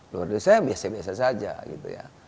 luar biasa saya biasa biasa saja gitu ya